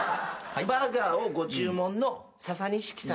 バーガーをご注文のササニシキさんで？